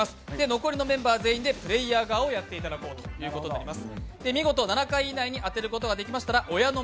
残りのメンバー全員でプレーヤー側をやっていただこうということになります。